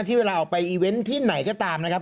เวลาออกไปอีเวนต์ที่ไหนก็ตามนะครับ